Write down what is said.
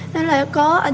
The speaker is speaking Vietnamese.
nó là có